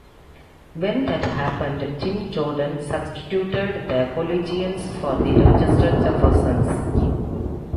When that happened, Tim Jordan substituted the Collegians for the Rochester Jeffersons.